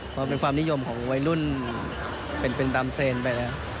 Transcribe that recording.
พอเป็นความนิยมของวัยรุ่นเป็นตามเทรนด์ไปแล้ว